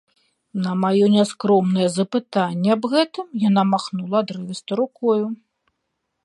На маё няскромнае запытанне аб гэтым яна махнула адрывіста рукою.